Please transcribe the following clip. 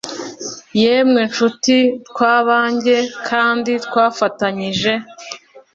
Yemwe nshuti twabanjye kandi twafatanyije